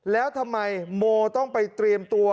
แล้วทำไมโมต้องไปเตรียมตัว